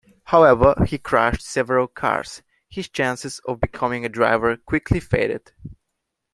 However, he crashed several cars, his chances of becoming a driver quickly faded.